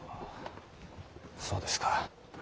そうですか。